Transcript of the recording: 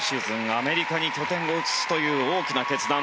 アメリカに拠点を移すという大きな決断。